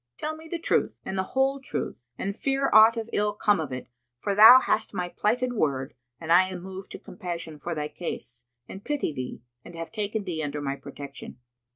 Tell me the truth and the whole truth and fear aught of ill come of it, for thou hast my plighted word and I am moved to compassion for thy case and pity thee and have taken thee under my protection.